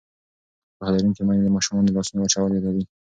پوهه لرونکې میندې د ماشومانو د لاسونو وچول یادوي.